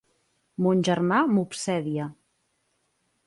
Mon germà m'obsedia.